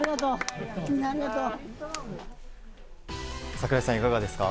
櫻井さん、いかがですか。